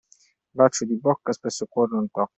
Bacio di bocca spesso cuor non tocca.